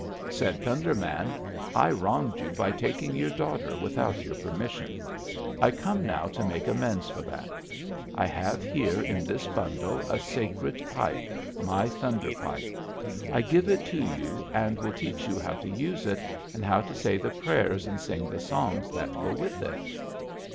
"Said Thunder Man: 'I wronged you by taking your daughter without your permission. I come now to make amends for that. I have here in this bundle a sacred pipe; my Thunder pipe. I give it to you, and will teach you how to use it, and how to say the prayers and sing the songs that go with it.'